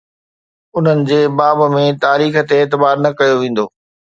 انهن جي باب ۾ تاريخ تي اعتبار نه ڪيو ويندو.